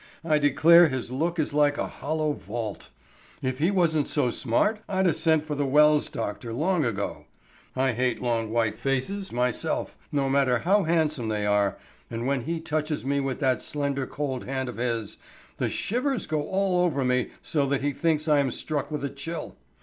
I declare his look is like a hollow vault. If he wasn't so smart I'd 'a' sent for the Wells doctor long ago. I hate long white faces, myself, no matter how handsome they are, and when he touches me with that slender cold hand of his, the shivers go all over me so that he thinks I am struck with a chill.